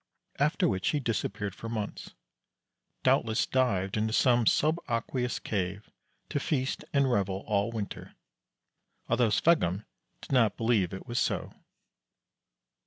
After which he disappeared for months doubtless dived into some subaqueous cave to feast and revel all winter; although Sveggum did not believe it was so.